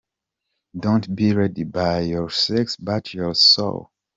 Don’t be lead by your sex but your soul.